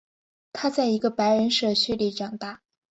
他在一个白人社区里长大。